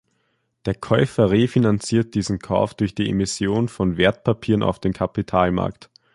Der Käufer refinanziert diesen Kauf durch die Emission von Wertpapieren auf dem Kapitalmarkt.